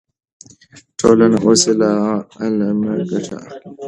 ټولنه اوس له علمه ګټه اخلي.